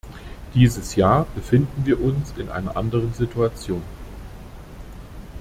Dieses Jahr befinden wir uns in einer anderen Situation.